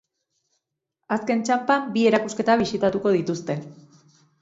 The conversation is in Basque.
Azken txanpan, bi erakusketa bisitatuko dituzte.